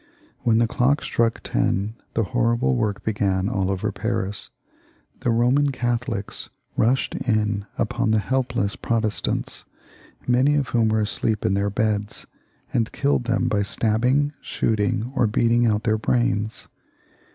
When the clock struck ten the horrible work began all over Paris. The Boman Catholics rushed in upon the helpless Protestants, many of whom were asleep in their beds, aud kiUed them by stabbing, shooting, or beating out their brains.